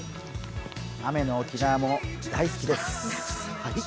雨の沖縄も大好きです。